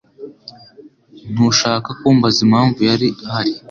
Ntushaka kumbaza impamvu yari ahari?